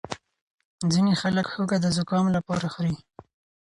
ځینې خلک هوږه د زکام لپاره خوري.